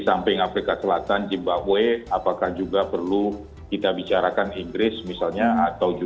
di samping afrika selatan jimbauwe apakah juga perlu kita bicarakan inggris misalnya atau